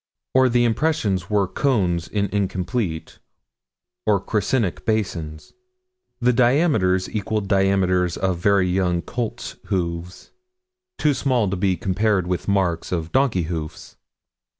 Or the impressions were cones in incomplete, or crescentic basins. The diameters equaled diameters of very young colts' hoofs: too small to be compared with marks of donkey's hoofs.